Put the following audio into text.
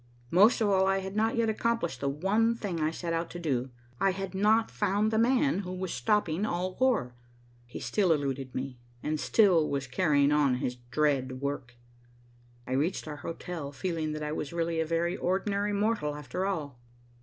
Most of all, I had not yet accomplished the one thing I set out to do. I had not found the man who was stopping all war. He still eluded me, and still was carrying on his dread work. I reached our hotel feeling that I was really a very ordinary mortal, after all.